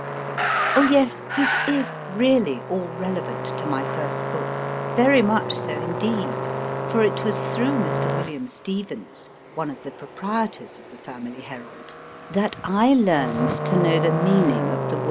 Oh, yes, this is really all relevant to my first book ; very much so, indeed, for it was through Mr. William Stevens, one of the proprietors of the Family Herald, that I learned to know the meaning of the word MR.